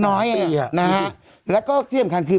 น่ารักมาก